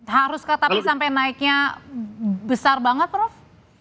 harus tapi sampai naiknya besar banget prof